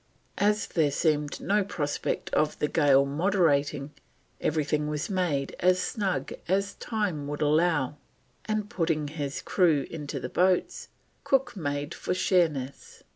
As there seemed no prospect of the gale moderating, everything was made as snug as time would allow, and, putting his crew into the boats, Cook made for Sheerness.